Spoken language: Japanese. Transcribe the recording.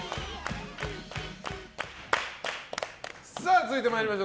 続いて参りましょう。